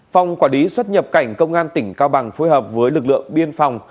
phòng quả đí xuất nhập cảnh công an tỉnh cao bằng phối hợp với lực lượng biên phòng